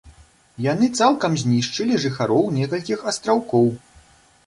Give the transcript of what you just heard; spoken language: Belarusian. Яны цалкам знішчылі жыхароў некалькіх астраўкоў.